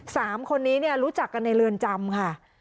สามคนนี้เนี่ยรู้จักกันในเรือนจำค่ะ